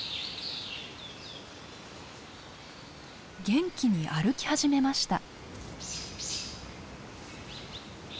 元気に歩き始めました。